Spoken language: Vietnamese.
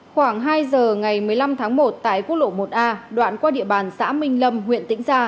khoảng hai giờ ngày một mươi năm tháng một tại quốc lộ một a đoạn qua địa bàn xã minh lâm huyện tĩnh gia